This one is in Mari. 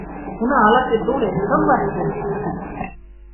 Уна, ала-кӧ толеш, шыл вашке!..